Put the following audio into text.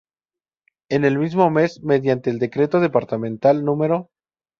En el mismo mes, mediante el Decreto Departamental No.